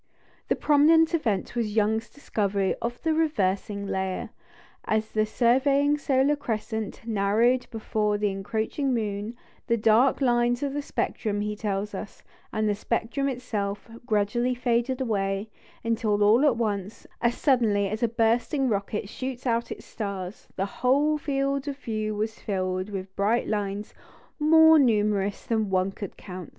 The prominent event was Young's discovery of the "reversing layer." As the surviving solar crescent narrowed before the encroaching moon, "the dark lines of the spectrum," he tells us, "and the spectrum itself, gradually faded away, until all at once, as suddenly as a bursting rocket shoots out its stars, the whole field of view was filled with bright lines more numerous than one could count.